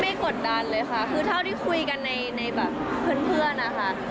กดดันเลยค่ะคือเท่าที่คุยกันในแบบเพื่อนนะคะ